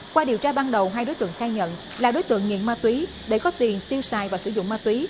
qua điều tra ban đầu hai đối tượng khai nhận là đối tượng nghiện ma túy để có tiền tiêu xài và sử dụng ma túy